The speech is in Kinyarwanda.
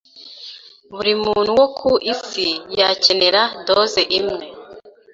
buri muntu wo ku isi yacyenera doze imwe